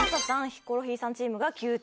ヒコロヒーさんチームが９点。